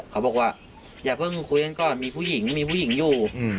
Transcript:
เขาบอกว่าอย่าเพิ่งคุยกันก่อนมีผู้หญิงอยู่